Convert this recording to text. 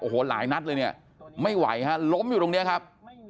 โอ้โหหลายนัดเลยเนี่ยไม่ไหวฮะล้มอยู่ตรงนี้ครับ